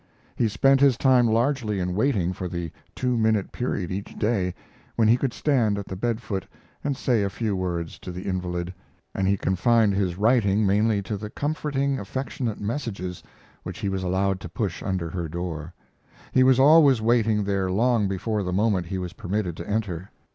He spent his time largely in waiting for the two minute period each day when he could stand at the bed foot and say a few words to the invalid, and he confined his writing mainly to the comforting, affectionate messages which he was allowed to push under her door. He was always waiting there long before the moment he was permitted to enter.